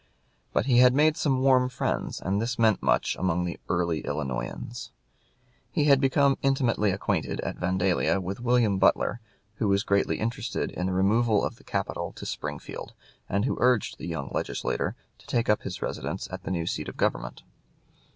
But he had made some warm friends, and this meant much among the early Illinoisans. He had become intimately acquainted, at Vandalia, with William Butler, who was greatly interested in the removal of the capital to Springfield, and who urged the young legislator to take up his residence at the new seat of government.